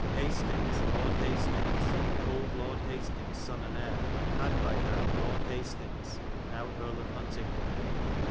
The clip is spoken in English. Hastings Lorde Hastinges, the old Lord Hastings sonne and heire, had by hir Lord Hastings now Erie of Hunt yngdon.